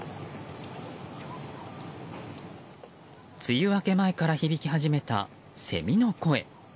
梅雨明け前から響き始めたセミの声。